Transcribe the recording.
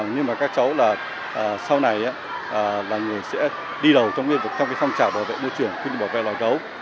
nhưng mà các cháu là sau này là người sẽ đi đầu trong cái phong trào bảo vệ môi trường quy trình bảo vệ loại cấu